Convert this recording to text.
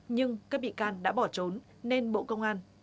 nhưng các bị can đã bỏ trốn nên bộ công an đã ra quyết định truy nã